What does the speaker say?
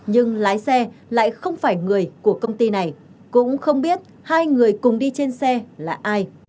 nhưng lái xe lại không phải người của công ty này cũng không biết hai người cùng đi trên xe là ai